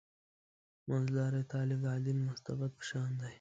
منځلاری طالب «عادل مستبد» په شان دی.